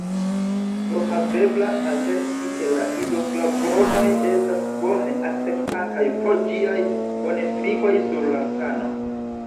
Forhavebla aserti ke la izoflavonoj estas bone akceptataj pro ĝiaj bonefikoj sur la sano.